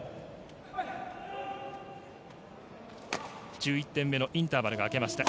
１１点目のインターバルが明けました。